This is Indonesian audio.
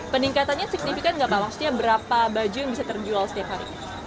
peningkatannya signifikan nggak pak maksudnya berapa baju yang bisa terjual setiap hari